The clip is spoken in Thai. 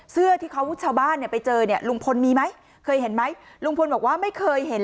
เสื้อที่เขาชาวบ้านเนี่ยไปเจอเนี่ยลุงพลมีไหมเคยเห็นไหมลุงพลบอกว่าไม่เคยเห็น